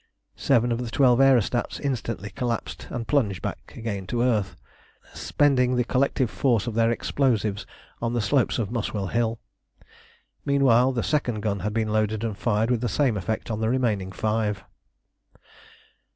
Seven of the twelve aerostats instantly collapsed and plunged back again to the earth, spending the collective force of their explosives on the slopes of Muswell Hill. Meanwhile the second gun had been loaded and fired with the same effect on the remaining five.